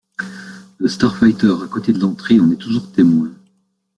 Le Starfighter à côté de l’entrée en est toujours témoin.